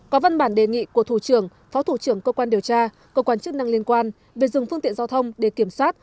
có văn bản đề nghị của thủ trưởng phó thủ trưởng cơ quan điều tra cơ quan chức năng liên quan về dừng phương tiện giao thông để kiểm soát